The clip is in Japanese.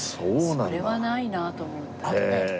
それはないなと思って。